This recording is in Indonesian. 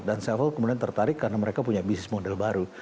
dan seville kemudian tertarik karena mereka punya bisnis model baru